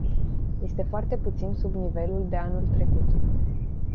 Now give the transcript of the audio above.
Este foarte puțin sub nivelul de anul trecut.